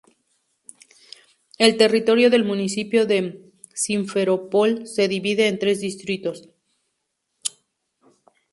El territorio del Municipio de Simferopol se divide en tres distritos.